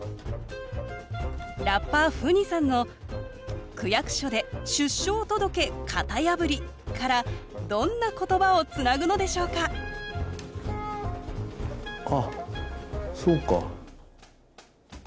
ラッパーＦＵＮＩさんの「区役所で出生届型破り」からどんな言葉をつなぐのでしょうかあっそうか。